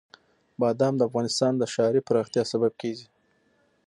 بادام د افغانستان د ښاري پراختیا سبب کېږي.